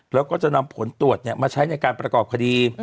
แล้วก็จะนำผลตรวจมาใช้ในการประกอบคดี